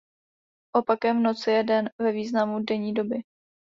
Opakem noci je den ve významu denní doby.